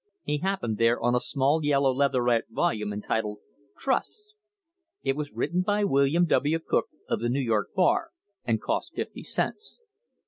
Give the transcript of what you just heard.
He happened there on a small yellow leatherette volume entitled "Trusts." It was written by William W. Cook, of the New York bar, and cost fifty cents.